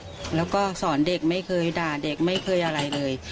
แล้วก็สอนเด็กไม่เคยด่าเด็กไม่เคยอะไรเลย